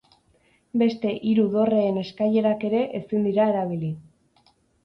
Beste hiru dorreen eskailerak ere ezin dira erabili.